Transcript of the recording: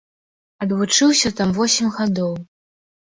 Адвучыўся там восем гадоў.